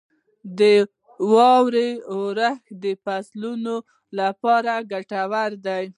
• د واورې اورښت د فصلونو لپاره ګټور دی.